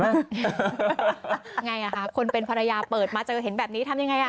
ยังไงค่ะคนเป็นภรรยาเปิดมาเจอเห็นแบบนี้ใช้ง่ายอะไรไหม